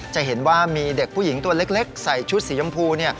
จะเห็นว่ามีเด็กผู้หญิงตัวเล็กใส่ชุดสียำพู